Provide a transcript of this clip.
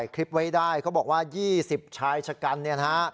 คลิปไว้ได้เขาบอกว่า๒๐ชายชะกันเนี่ยนะฮะ